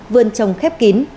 vườn trồng khép kín